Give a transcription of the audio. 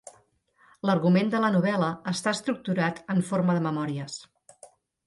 L'argument de la novel·la està estructurat en forma de memòries.